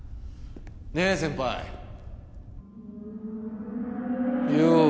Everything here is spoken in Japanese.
ねえ先輩よう